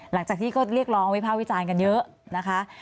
หลังจากที่ก็เรียกร้องวิภาควิจารณ์กันเยอะนะคะ